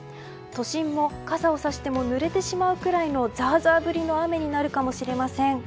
都心も、傘をさしてもぬれてしまうくらいのザーザー降りの雨になるかもしれません。